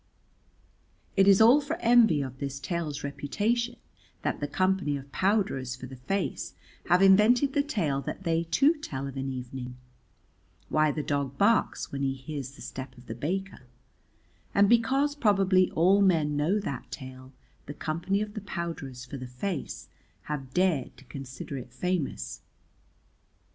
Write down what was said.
It is all for envy of this tale's reputation that the Company of Powderers for the Face have invented the tale that they too tell of an evening, "Why the Dog Barks when he hears the step of the Baker"; and because probably all men know that tale the Company of the Powderers for the Face have dared to consider it famous.